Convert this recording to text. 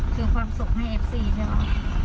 คืนความสุขให้เอฟซีใช่ไหม